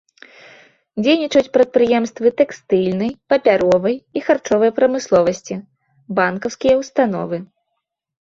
Дзейнічаюць прадпрыемствы тэкстыльнай, папяровай і харчовай прамысловасці, банкаўскія ўстановы.